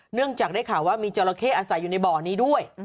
เนื่องจากได้ข่าวว่ามีจราเข้อาศัยอยู่ในบ่อนี้ด้วย